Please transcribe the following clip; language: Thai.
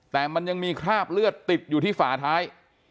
แต่มันยังมีคราบเลือดติดอยู่ที่ฝาท้าย